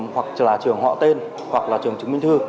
hoặc là trường họ tên hoặc là trường chứng minh thư